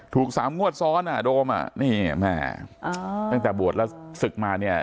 สามงวดซ้อนอ่ะโดมอ่ะนี่แม่ตั้งแต่บวชแล้วศึกมาเนี่ย